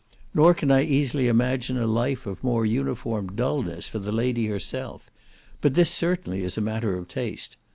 Nor can I easily imagine a life of more uniform dulness for the lady herself; but this certainly is a matter of taste.